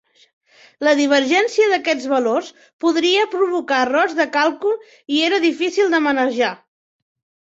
La divergència d'aquests valors podria provocar errors de càlcul i era difícil de manegar.